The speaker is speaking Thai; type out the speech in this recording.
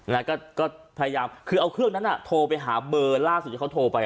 นะฮะก็ก็พยายามคือเอาเครื่องนั้นอ่ะโทรไปหาเบอร์ล่าสุดที่เขาโทรไปอ่ะน่ะ